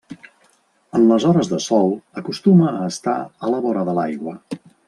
En les hores de sol acostuma a estar a la vora de l'aigua.